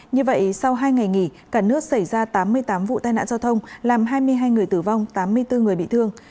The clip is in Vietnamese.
như vậy sau hai ngày nghỉ cả nước xảy ra tám mươi tám vụ tai nạn giao thông làm hai mươi hai người tử vong tám mươi bốn người bị thương